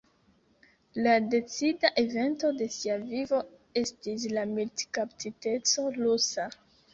La decida evento de sia vivo estis la militkaptiteco rusa.